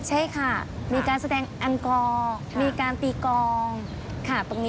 ใช่ค่ะมีการแสดงอังกอมีการตีกอง